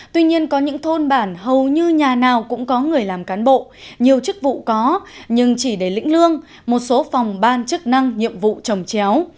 tuy nhiên có những thôn bản hầu như nhà nào cũng có người làm cán bộ nhiều chức vụ có nhưng chỉ để lĩnh lương một số phòng ban chức năng nhiệm vụ trồng chéo